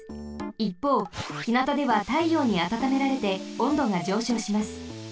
いっぽうひなたではたいようにあたためられておんどがじょうしょうします。